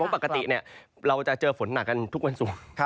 เพราะปกติเราจะเจอฝนหนักกันทุกวันสูง